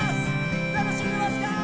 楽しんでますか？